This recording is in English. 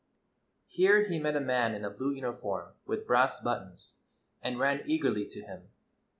Here he met a man in a blue uniform, with brass buttons, and ran eagerly to him.